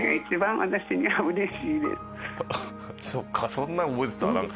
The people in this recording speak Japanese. そんなん覚えてた？